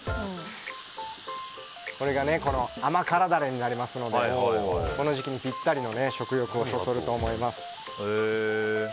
これが甘辛ダレになりますのでこの時期にぴったりの食欲をそそると思います。